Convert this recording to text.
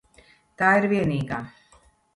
Tā ir vienīgā.